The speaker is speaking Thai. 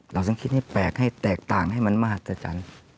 เราจึงคิดให้แปลกให้แตกต่างให้มันมาตรจันทร์